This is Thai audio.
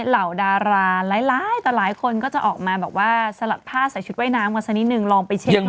เหล่าดาราหลายต่อหลายคนก็จะออกมาแบบว่าสลัดผ้าใส่ชุดว่ายน้ำกันสักนิดนึงลองไปเช็คหน่อย